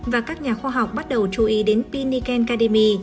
và các nhà khoa học bắt đầu chú ý đến pin niken cademy